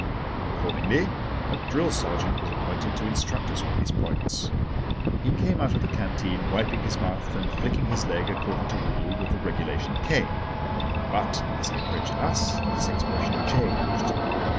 Accordingly a drill sergeant was appointed to instruct us on these points. He came out of the canteen, wiping his mouth and flicking his leg, according to rule, with the regulation cane. But, as he approached us, his expression changed.